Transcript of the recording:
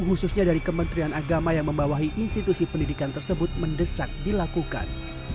pemerintahan agama yang membawahi institusi pendidikan tersebut mendesak dilakukan